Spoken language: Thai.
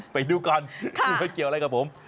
ไปดูก่อนดูว่าเกี่ยวอะไรกับผม